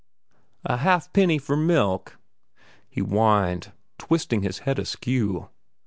"A halfpenny for milk!" he whined, twisting his head askew.